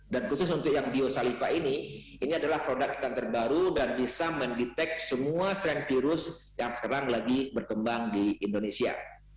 dan khusus untuk yang biosaliva ini ini adalah produk kita terbaru dan bisa mendeteksi semua strain virus yang sekarang lagi berkembang di indonesia